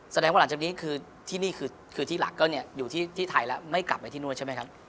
แสดงว่าหลังจากนี้คือที่นี่คือที่หลักก็อยู่ที่ไทยแล้วไม่กลับไปที่นู่นใช่ไหมครับ